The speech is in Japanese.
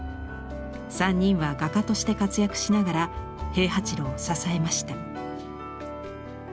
３人は画家として活躍しながら平八郎を支えました。